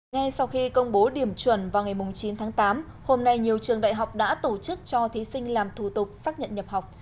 ngay sau khi công bố điểm chuẩn vào ngày chín tháng tám hôm nay nhiều trường đại học đã tổ chức cho thí sinh làm thủ tục xác nhận nhập học